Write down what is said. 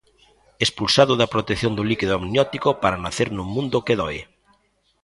Expulsado da protección do líquido amniótico para nacer nun mundo que doe.